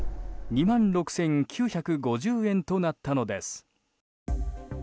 ２万６９５０円となったのです。